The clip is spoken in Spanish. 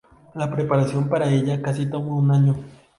La preparación para ella casi tomó un año.